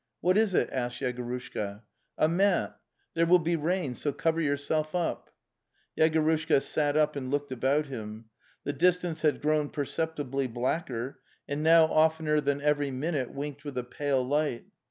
"What is it?'' asked Yegorushka. '""A mat. There will be rain, so cover yourself Yegorushka sat up and looked about him. The distance had grown perceptibly blacker, and now oftener than every minute winked with a pale light.